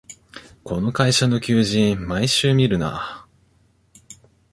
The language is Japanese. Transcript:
この会社の求人、毎週見るな